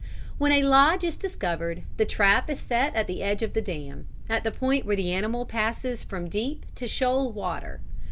"When a 'lodge' is discovered the trap is set at the edge of the dam, at the point where the animal passes from deep to shoal water.